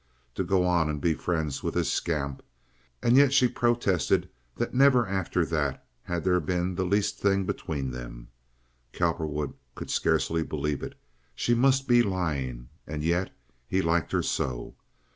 To go on and be friends with this scamp! And yet she protested that never after that had there been the least thing between them. Cowperwood could scarcely believe it. She must be lying, and yet he liked her so.